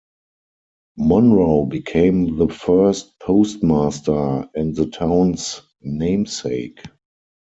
Monroe became the first postmaster and the town's namesake.